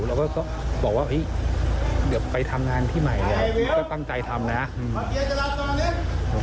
เราก็บอกว่าเฮ้ยเดี๋ยวไปทำงานที่ใหม่เนี่ยก็ตั้งใจทำนะ